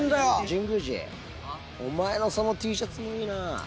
神宮寺お前のそのＴシャツもいいなぁ。